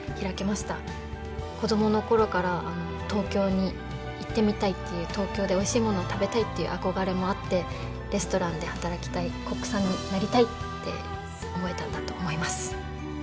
子供の頃から東京に行ってみたいっていう東京でおいしいものを食べたいっていう憧れもあってレストランで働きたいコックさんになりたいって思えたんだと思います。